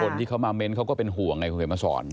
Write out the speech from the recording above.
คนที่เขามาเม้นเขาก็เป็นห่วงไงคุณเขียนมาสอน